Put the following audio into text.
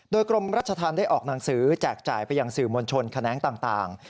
โดยกรมรัชธรรมได้ออกหนังสือแจกจ่ายไปยังสื่อมวลชนแขนงต่าง